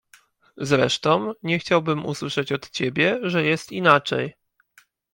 "Zresztą, nie chciałbym usłyszeć od ciebie, że jest inaczej."